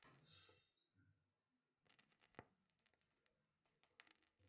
Barnstead manufactured large amounts of lumber, which it supplied to neighboring towns.